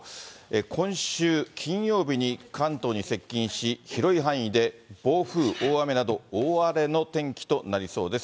今週金曜日に関東に接近し、広い範囲で暴風、大雨など、大荒れの天気となりそうです。